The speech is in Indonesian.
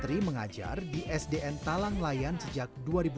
tri mengajar di sdn talanglayan sejak dua ribu sembilan belas